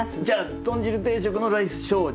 じゃあとん汁定食のライス小。